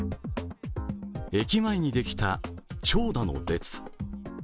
駅前にできた長蛇の列。